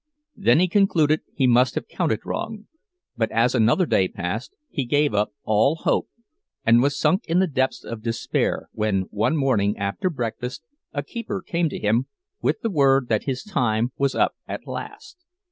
Then he concluded he must have counted wrong; but as another day passed, he gave up all hope—and was sunk in the depths of despair, when one morning after breakfast a keeper came to him with the word that his time was up at last.